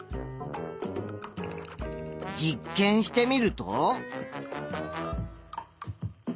実験してみると。